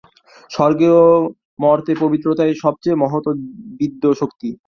স্বর্গে ও মর্ত্যে পবিত্রতাই সবচেয়ে মহৎ ও দিব্য শক্তি।